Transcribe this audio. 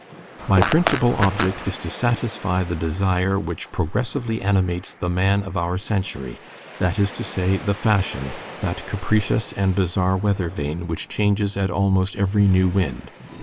My principal object is to satisfi the desire which progressively animates the man of our century, that is to say, the fashion, that capritious and bizarre weathervane which changes at almost every new wind.